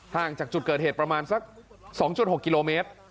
ห่างจากจุดเกิดเหตุประมาณสัก๒๖กิโลเมตร